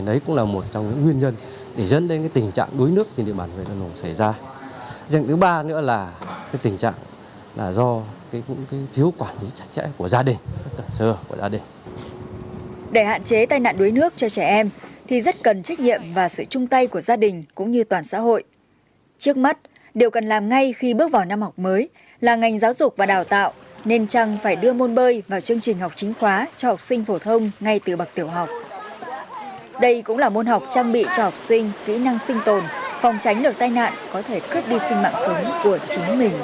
đây cũng là môn học trang bị cho học sinh kỹ năng sinh tồn phòng tránh được tai nạn có thể cướp đi sinh mạng sống của chính mình